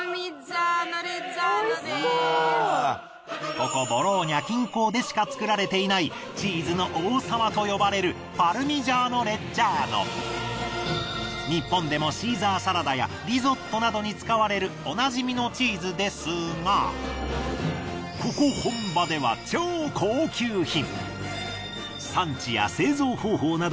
ここボローニャ近郊でしか作られていない日本でもシーザーサラダやリゾットなどに使われるおなじみのチーズですがここ本場では超高級品！